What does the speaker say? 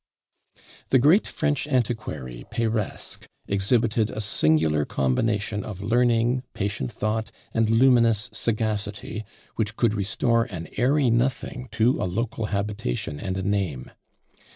The great French antiquary, Peiresc, exhibited a singular combination of learning, patient thought, and luminous sagacity, which could restore an "airy nothing" to "a local habitation and a name."